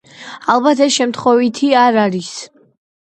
ალბათ, ეს შემთხვევითი არ არის.